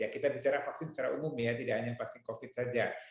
kita bicara vaksin secara umum ya tidak hanya vaksin covid saja